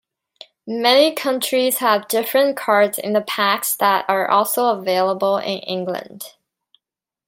Many countries have different cards in the packs that are also available in England.